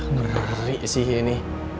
ngeri sih ini